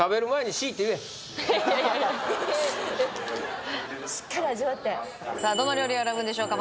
いやいやしっかり味わってさあどの料理を選ぶんでしょうか？